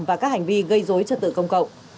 và các hành vi gây dối trật tự công cộng